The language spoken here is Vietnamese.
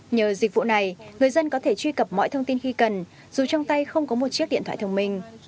nhờ dịch vụ này người dân có thể truy cập mọi thông tin khi cần dù trong tay không có một chiếc điện thoại thông minh